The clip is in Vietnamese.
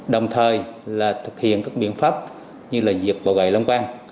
đồng thời là thực hiện các biện pháp như là diệt bầu gầy lông quang